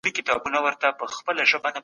ملکيت د انسان په فطرت کي دی.